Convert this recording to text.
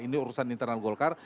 ini urusan internal golkar